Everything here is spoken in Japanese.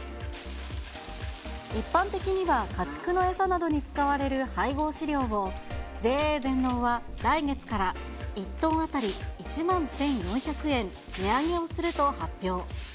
一般的には家畜の餌などに使われる配合飼料を、ＪＡ全農は来月から１トン当たり１万１４００円値上げをすると発表。